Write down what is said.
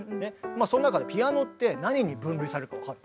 そん中でピアノって何に分類されるか分かる？